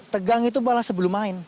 tegang itu malah sebelum main